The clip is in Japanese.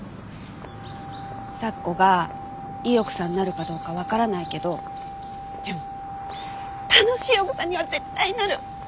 咲子がいい奥さんになるかどうか分からないけどでも楽しい奥さんには絶対なる！